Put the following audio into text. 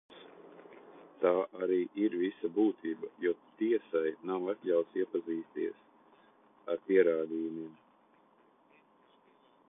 Bet, protams, tā arī ir visa būtība, jo tiesai nav atļauts iepazīties ar pierādījumiem.